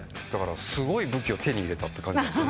だからすごい武器を手に入れたって感じ。